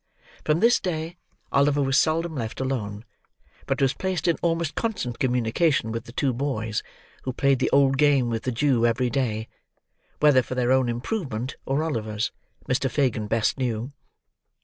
From this day, Oliver was seldom left alone; but was placed in almost constant communication with the two boys, who played the old game with the Jew every day: whether for their own improvement or Oliver's, Mr. Fagin best knew.